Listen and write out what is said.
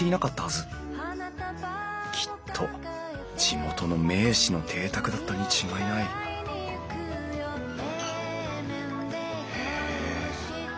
きっと地元の名士の邸宅だったに違いないへえ。